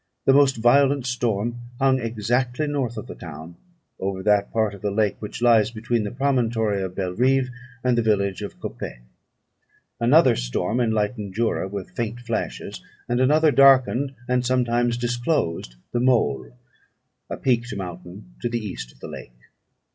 The most violent storm hung exactly north of the town, over that part of the lake which lies between the promontory of Belrive and the village of Copêt. Another storm enlightened Jura with faint flashes; and another darkened and sometimes disclosed the Môle, a peaked mountain to the east of the lake.